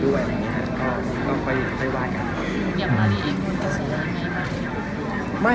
หยัดร้านกรุมในกลขาช่วยเป็นมีนิดอย่างอะไร